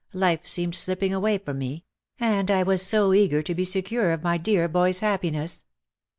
Life seemed slipping away from me — and I was so eager to be secure of my dear boy's happiness.